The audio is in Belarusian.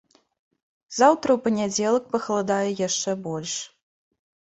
Заўтра, у панядзелак пахаладае яшчэ больш.